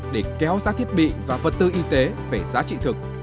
để kéo giá thiết bị và vật tư y tế về giá trị thực